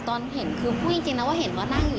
ตอนเห็นคือพูดจริงนะว่าเห็นว่านั่งอยู่